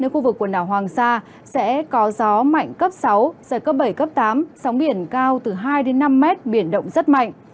khu vực quần đảo hoàng sa sẽ có gió mạnh cấp sáu giật cấp bảy cấp tám sóng biển cao từ hai năm mét biển động rất mạnh